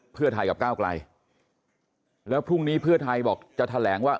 เพื่อไทยกับก้าวไกลแล้วพรุ่งนี้เพื่อไทยบอกจะแถลงว่า